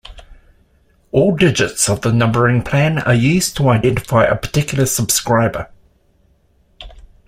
All digits of the numbering plan are used to identify a particular subscriber.